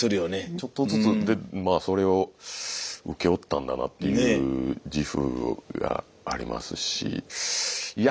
ちょっとずつそれを請け負ったんだなっていう自負がありますしいや